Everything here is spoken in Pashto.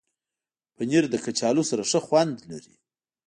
پنېر له کچالو سره ښه خوند لري.